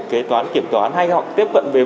kế toán kiểm toán hay họ tiếp cận về